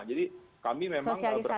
jadi kami memang berharap